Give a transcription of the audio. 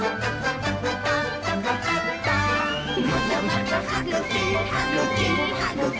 「またまたはぐき！はぐき！はぐき！